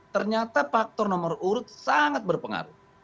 ternyata faktor nomor urut sangat berpengaruh